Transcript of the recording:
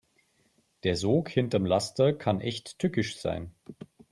Der Sog hinterm Laster kann echt tückisch sein.